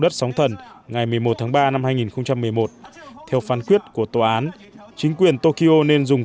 đất sóng thần ngày một mươi một tháng ba năm hai nghìn một mươi một theo phán quyết của tòa án chính quyền tokyo nên dùng